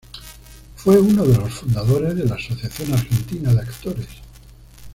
Fue uno de los fundadores de la Asociación Argentina de Actores.